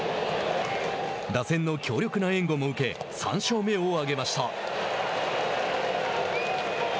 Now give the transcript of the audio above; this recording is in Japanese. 打線の強力な援護も受け３勝目を挙げました。